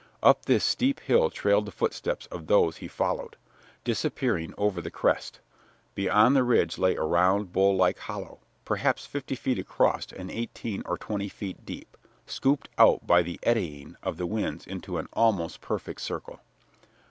Up this steep hill trailed the footsteps of those he followed, disappearing over the crest. Beyond the ridge lay a round, bowl like hollow, perhaps fifty feet across and eighteen or twenty feet deep, scooped out by the eddying of the winds into an almost perfect circle.